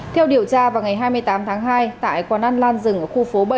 theo điều tra vào ngày hai mươi tám tháng hai tại quán ăn lan rừng ở khu phố bảy